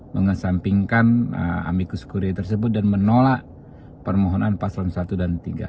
mengesampingkan amikus gure tersebut dan menolak permohonan paslon i dan iii